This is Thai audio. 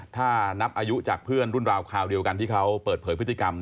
ถ้านับอายุจากเพื่อนรุ่นราวคราวเดียวกันที่เขาเปิดเผยพฤติกรรม